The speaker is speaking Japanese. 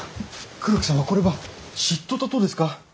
黒木さんはこれば知っとったとですか！